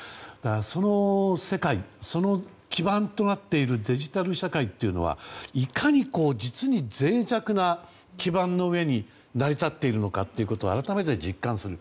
その世界、その基盤となっているデジタル社会というのはいかに実に脆弱な基盤の上に成り立っているのかを改めて実感する。